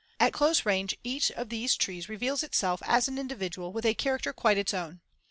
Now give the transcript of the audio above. At close range, each of these trees reveals itself as an individual with a character quite its own.